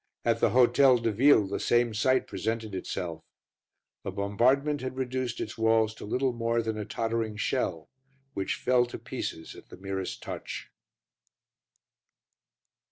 At the Hôtel de Ville the same sight presented itself. The bombardment had reduced its walls to little more than a tottering shell, which fell to pieces at the merest touch.